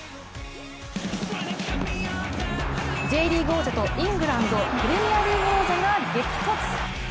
Ｊリーグ王者とイングランドプレミアリーグ王者が激突。